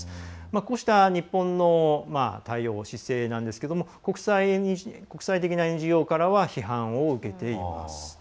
こうした日本の対応姿勢なんですが国際的なＮＧＯからは批判を受けています。